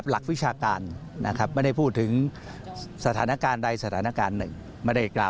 มันเป็นการต่อสู้กับความคิดในสังคมตอนนี้หรือเปล่า